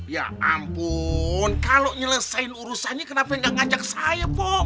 ya ampun kalo nyelesain urusannya kenapa ga ngajak saya pok